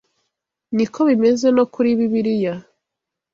Ni ko bimeze no kuri Bibiliya